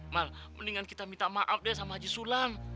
malah mendingan kita minta maaf deh sama haji sulam